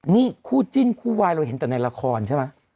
นี่คู่จิ้นคู่วายเราเห็นแต่ในละครใช่ไหม